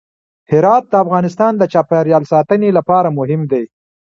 هرات د افغانستان د چاپیریال ساتنې لپاره مهم دی.